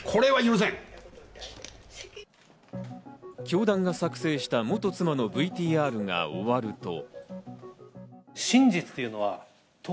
教団が作成した元妻のＶＴＲが終わると。